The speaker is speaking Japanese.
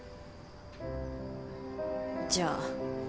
じゃあ。